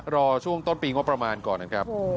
รอช่วงต้นปีงบประมาณก่อนนะครับ